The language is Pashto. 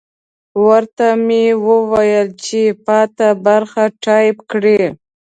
ورته مې وویل چې پاته برخه ټایپ کړي.